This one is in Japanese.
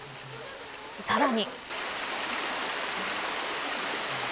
さらに。